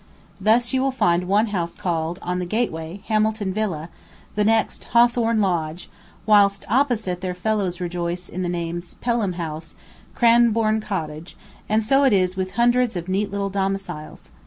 Thus you find one house called, on the gateway, Hamilton Villa, the next Hawthorne Lodge, whilst opposite their fellows rejoice in the names, Pelham House, Cranborne Cottage; and so it is with hundreds of neat little domiciles.